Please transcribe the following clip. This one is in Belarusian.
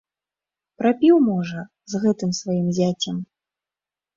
Прапіў, можа, з гэтым сваім зяцем.